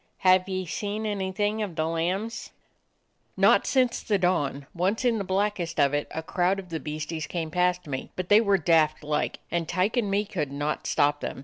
"Have ye seen anything of the lambs? " "Not since the dawn. Once in the black est of it a crowd of the beasties came past me, but they were daft like, and Tyke and me could not stop them.